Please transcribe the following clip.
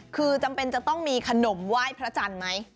คือจำเป็นจะต้องมีขนมไหว้พระจันทร์ไหม